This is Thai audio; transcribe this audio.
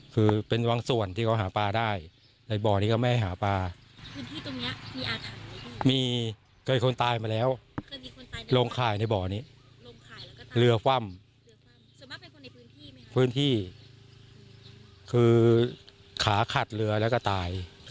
คือเป็นวังส่วนที่เขาหาปลาได้ในบ่อนี้ก็ไม่ให้หาปลา